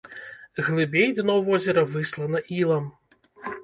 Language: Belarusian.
Глыбей дно возера выслана ілам.